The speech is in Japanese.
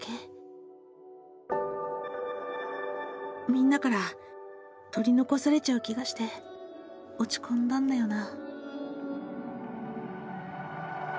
「みんなから取りのこされちゃう気がして落ち込んだんだよなぁ」。